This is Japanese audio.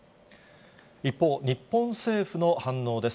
一方、日本政府の反応です。